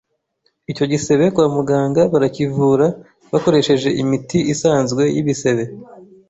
Icyo gisebe kwa muganga barakivura bakoresheje imiti isanzwe y’ibisebe